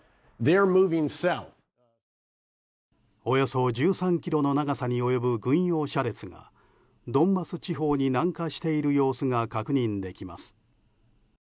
およそ１３ｋｍの長さに及ぶ軍用車列がドンバス地方に南下している様子が確認できます。